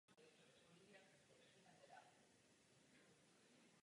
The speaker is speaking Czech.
Jižní a východní hranici oblasti tvoří v podstatě státní hranice se Slovenskem.